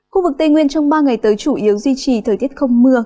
khu vực tây nguyên trong ba ngày tới chủ yếu duy trì thời tiết không mưa